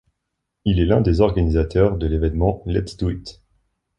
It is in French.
Il est l'un des organisateurs de l’événement Let's do it!